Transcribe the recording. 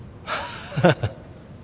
ハハハ。